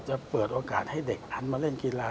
จะเปิดโอกาสให้เด็กหันมาเล่นกีฬา